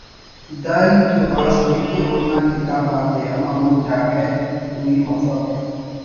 دا ہیت تو راست ءِ کہ اونا کتاب آتے ہم ہمو جاگہ دوئی مفک